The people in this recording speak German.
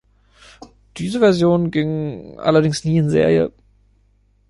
Diese Version ging allerdings nie in Serie.